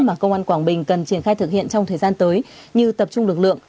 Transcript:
mà công an quảng bình cần triển khai thực hiện trong thời gian tới như tập trung lực lượng